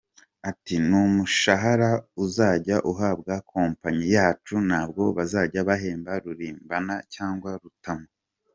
Ati “N’umushahara uzajya uhabwa company yacu, ntabwo bazajya bahemba Rugimbana cyangwa Rutamu.